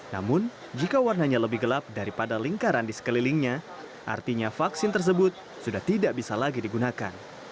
namun jika warnanya lebih gelap daripada lingkaran di sekelilingnya artinya vaksin tersebut sudah tidak bisa lagi digunakan